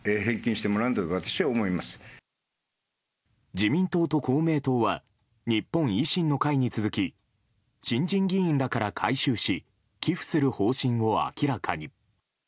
自民党と公明党は日本維新の会に続き新人議員らから回収し寄付する方針を明らかに。